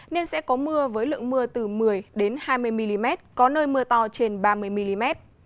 nên sẽ có mưa với lượng mưa từ một mươi hai mươi mm có nơi mưa to trên ba mươi mm